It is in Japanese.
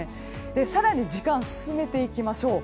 更に時間を進めていきましょう。